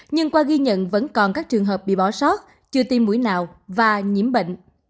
nhưng qua ghi nhận vẫn còn các trường hợp bị bỏ sót chưa tiêm mũi nào và nhiễm bệnh